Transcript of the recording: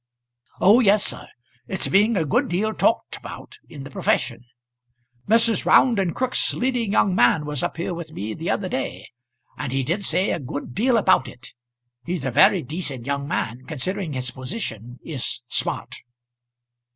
"Oh! yes, sir. It's being a good deal talked about in the profession. Messrs. Round and Crook's leading young man was up here with me the other day, and he did say a good deal about it. He's a very decent young man, considering his position, is Smart."